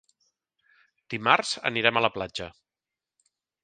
Dimarts anirem a la platja.